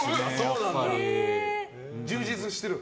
充実してる？